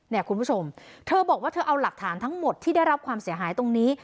คุณผู้ชมเธอบอกว่าเธอเอาหลักฐานทั้งหมดที่ได้รับความเสียหายตรงนี้